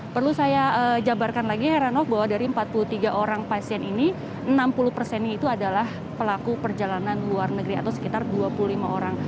perlu saya jabarkan lagi heranov bahwa dari empat puluh tiga orang pasien ini enam puluh persennya itu adalah pelaku perjalanan luar negeri atau sekitar dua puluh lima orang